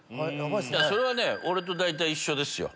それはね俺と大体一緒ですよ。